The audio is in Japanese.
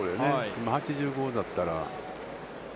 今８５だったら。